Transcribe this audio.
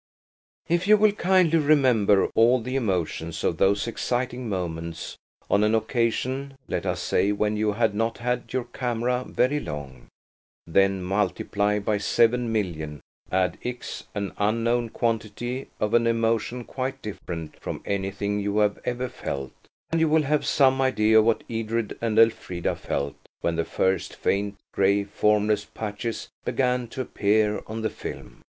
If you will kindly remember all the emotions of those exciting moments–on an occasion, let us say, when you had not had your camera very long–then multiply by seven million, add x–an unknown quantity of an emotion quite different from anything you have ever felt–and you will have some idea of what Edred and Elfrida felt when the first faint, grey, formless patches began to appear on the film.